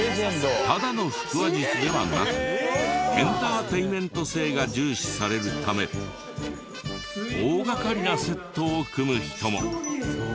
ただの腹話術ではなくエンターテインメント性が重視されるため大掛かりなセットを組む人も。